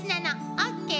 オッケー？